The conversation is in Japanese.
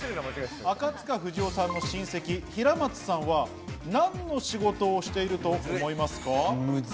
赤塚不二夫さんの親戚、平松さんは何の仕事をしていると思いますか？